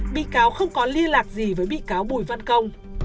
bị cáo không có liên lạc gì với bị cáo bùi văn công